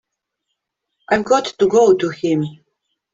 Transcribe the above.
I've got to go to him.